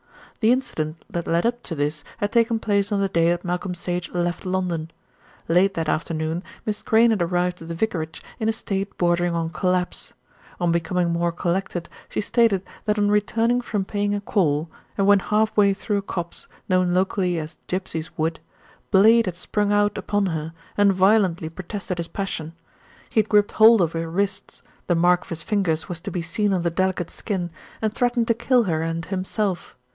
The incident that led up to this had taken place on the day that Malcolm Sage left London. Late that afternoon Miss Crayne had arrived at the vicarage in a state bordering on collapse. On becoming more collected, she stated that on returning from paying a call, and when half way through a copse, known locally as "Gipsies Wood," Blade had sprung out upon her and violently protested his passion. He had gripped hold of her wrists, the mark of his fingers was to be seen on the delicate skin, and threatened to kill her and himself.